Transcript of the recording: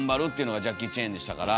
ジャッキー・チェンでしたから。